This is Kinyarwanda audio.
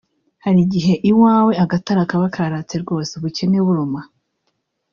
Hari ighe iwawe agatara kaba karatse rwose (ubukene bunuma)